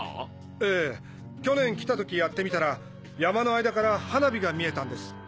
ええ去年来た時やってみたら山の間から花火が見えたんです。